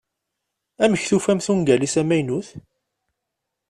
Amek tufamt ungal-is amaynut?